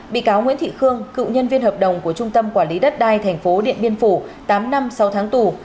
bị cáo nguyễn thị khương cựu nhân viên hợp đồng của trung tâm quản lý đất đai tp điện biên phủ tám năm sau tháng tù